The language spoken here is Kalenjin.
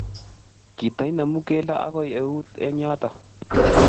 Kitainemu keldo ago eut eng yoti